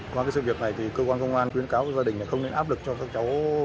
qua sự việc này cơ quan công an khuyến cáo gia đình không nên áp lực cho các cháu